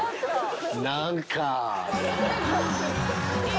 何か。